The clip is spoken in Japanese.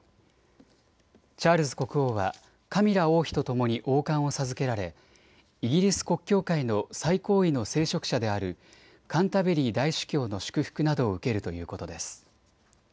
チャールズ国王はカミラ王妃とともに王冠を授けられイギリス国教会の最高位の聖職者であるカンタベリー大主教の祝福などを受けるということです。